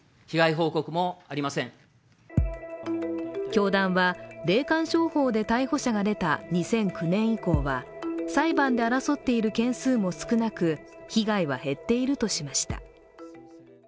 教団は霊感商法で逮捕者が出た２００９年以降は、裁判で争っている件数も少なく被害は減っているとしました。